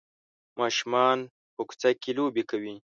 ماشومان په کوڅه کې لوبې کوي.